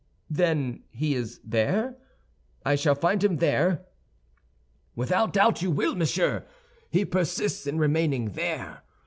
"Then he is there? I shall find him there?" "Without doubt you will, monsieur; he persists in remaining there.